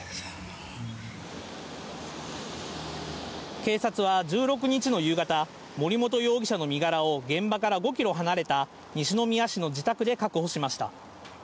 警察は１６日の夕方森本容疑者の身柄を現場から５ｋｍ離れた西宮市の自宅で確保しました。